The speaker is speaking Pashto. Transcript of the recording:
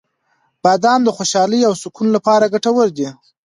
• بادام د خوشحالۍ او سکون لپاره ګټور دي.